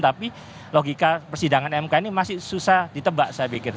tapi logika persidangan mk ini masih susah ditebak saya pikir